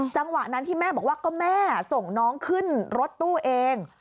จังหวะนั้นที่แม่บอกว่าก็แม่ส่งน้องขึ้นรถตู้เอง